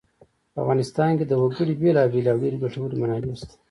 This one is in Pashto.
په افغانستان کې د وګړي بېلابېلې او ډېرې ګټورې منابع شته.